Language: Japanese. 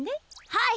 はい！